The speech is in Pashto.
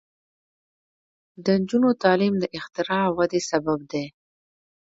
د نجونو تعلیم د اختراع ودې سبب دی.